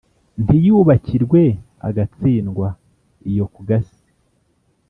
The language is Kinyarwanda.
Ntiyubakirwe agatsindwa iyo ku gasi.